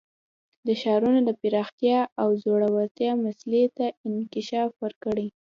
د ښارونو د پراختیا او ځوړتیا مسئلې ته انکشاف ورکړي.